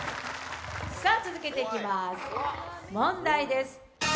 続けていきます、問題です。